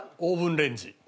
オーブンレンジ。